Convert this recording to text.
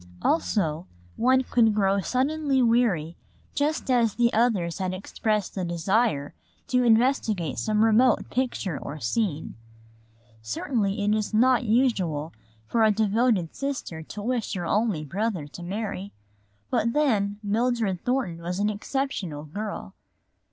Also one could grow suddenly weary just as the others had expressed the desire to investigate some remote picture or scene. Certainly it is not usual for a devoted sister to wish her only brother to marry. But then, Mildred Thornton was an exceptional girl.